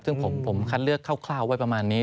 ซึ่งผมคัดเลือกคร่าวไว้ประมาณนี้